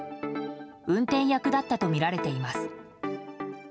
運転役だったとみられています。